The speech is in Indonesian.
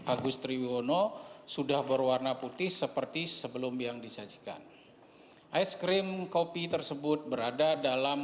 agustri wono sudah berwarna putih seperti sebelum yang disajikan es krim kopi tersebut berada dalam